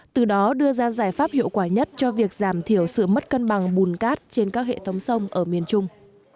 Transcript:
từ đó đưa ra giải pháp hiệu quả nhất cho việc giảm thiểu sự mất cân bằng bùn cát trên các hệ thống sông ở miền trung